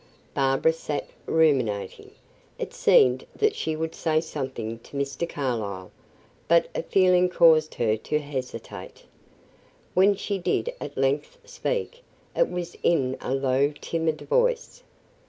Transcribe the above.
Barbara sat ruminating. It seemed that she would say something to Mr. Carlyle, but a feeling caused her to hesitate. When she did at length speak, it was in a low, timid voice.